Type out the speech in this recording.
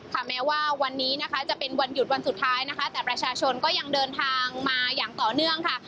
แม้ว่าวันนี้นะคะจะเป็นวันหยุดวันสุดท้ายนะคะแต่ประชาชนก็ยังเดินทางมาอย่างต่อเนื่องค่ะ